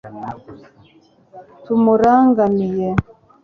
tumurangamiye